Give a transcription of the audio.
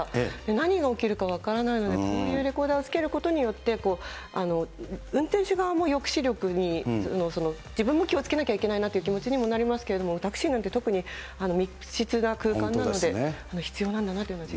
何が起きるか分からないので、こういうレコーダーをつけることによって、運転手側も抑止力に、自分も気をつけなきゃいけないなという気持ちにもなりますけれども、タクシーなんて特に密室な空間なので必要なんだなというふうに実